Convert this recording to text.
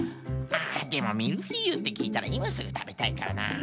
あでもミルフィーユってきいたらいますぐたべたいからな。